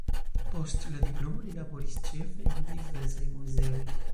Post la diplomo li laboris ĉefe en diversaj muzeoj.